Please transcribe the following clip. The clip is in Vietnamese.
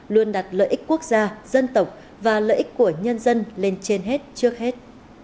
luôn đặt lợi ích quốc gia dân tộc và lợi ích của nhân dân lên trên hết trước hết